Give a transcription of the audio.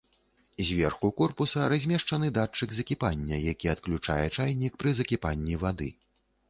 Зверху корпуса размешчаны датчык закіпання, які адключае чайнік пры закіпанні вады.